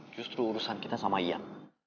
justru urusan kita sama iyan